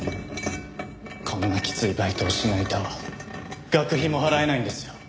こんなきついバイトをしないと学費も払えないんですよ。